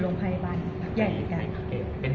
หรือเป็นอะไรที่คุณต้องการให้ดู